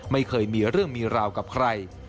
ไม่เคยมีเรื่องมีราวกับใคร